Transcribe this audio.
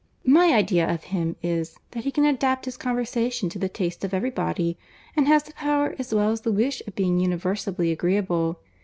"My idea of him is, that he can adapt his conversation to the taste of every body, and has the power as well as the wish of being universally agreeable.